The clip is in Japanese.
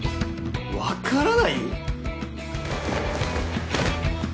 わからない！？